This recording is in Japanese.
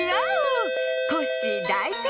コッシーだいせいかい！